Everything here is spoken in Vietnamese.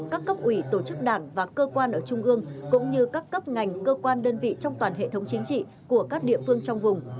các cấp ủy tổ chức đảng và cơ quan ở trung ương cũng như các cấp ngành cơ quan đơn vị trong toàn hệ thống chính trị của các địa phương trong vùng